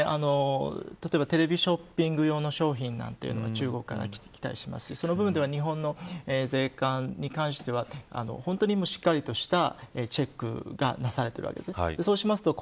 例えばテレビショッピング用の商品などというのは中国からきていたりしますし日本の税関に関しては本当に、しっかりとしたチェックがなされています。